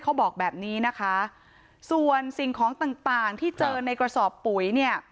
เขาบอกแบบนี้นะคะส่วนสิ่งของต่างต่างที่เจอในกระสอบปุ๋ยเนี่ย